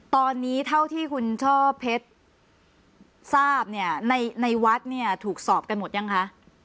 ตอนนี้เท่าที่คุณช่อเพชรทราบเนี่ยในวัดเนี่ยถูกสอบกันหมดยังคะ